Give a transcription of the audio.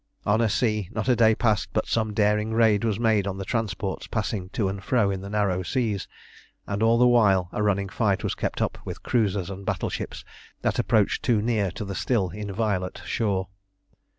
On sea not a day passed but some daring raid was made on the transports passing to and fro in the narrow seas, and all the while a running fight was kept up with cruisers and battleships that approached too near to the still inviolate shore.